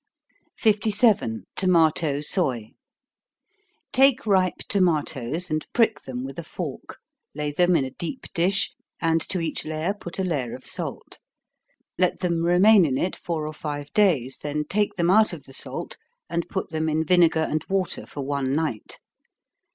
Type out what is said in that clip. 57. Tomato Soy. Take ripe tomatos, and prick them with a fork lay them in a deep dish, and to each layer put a layer of salt. Let them remain in it four or five days, then take them out of the salt, and put them in vinegar and water for one night.